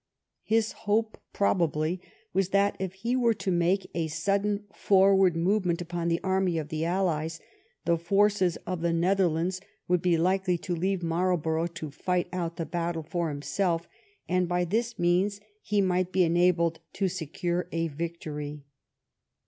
His hope probably was that, if he were to make a sudden forward move upon the army of the allies, the forces of the Netherlands would be likely to leave Marlborough to fight out the battle for himself, and by this means he might be enabled to secure a victory.